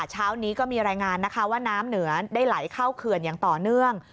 เช้านี้ก็มีรายงานนะคะว่าน้ำเหนือได้ไหลเข้าเขื่อนอย่างต่อเนื่อง